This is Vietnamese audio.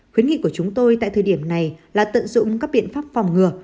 khuyến nghị của chúng tôi tại thời điểm này là tận dụng các biện pháp phòng ngừa